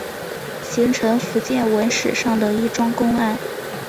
形成福建文史上的一桩公案。